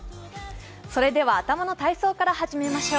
それでは頭の体操から始めましょう。